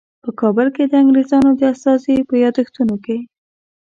په کابل کې د انګریزانو د استازي په یادښتونو کې.